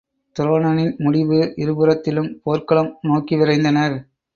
துரோணனின் முடிவு இறபுறத்திலும் போர்க்களம் நோக்கி விரைந்தனர்.